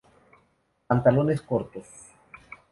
Pantalones cortos".